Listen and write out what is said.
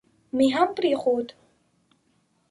مې هم پرېښود.